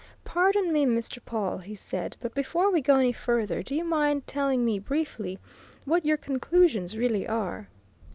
"Pardon me, Mr. Pawle," he said, "but before we go any further, do you mind telling me, briefly, what your conclusions really are!"